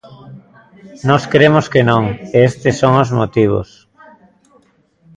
Nós cremos que non, e estes son os motivos.